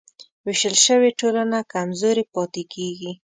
وېشل شوې ټولنه کمزورې پاتې کېږي.